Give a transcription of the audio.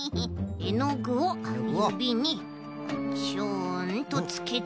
えのぐをゆびにちょんとつけて。